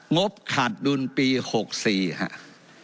งบขาดดุลปี๖๔ครับ